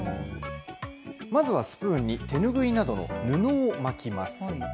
まずはスプーンに手拭いなどの布を巻きます。